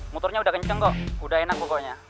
motornya udah kenceng kok udah enak pokoknya